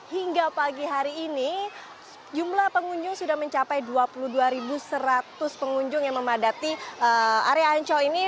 hingga pagi hari ini jumlah pengunjung sudah mencapai dua puluh dua seratus pengunjung yang memadati area ancol ini